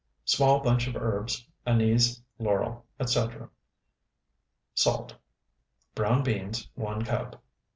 Small bunch of herbs, anise, laurel, etc. Salt. Brown beans, 1 cup.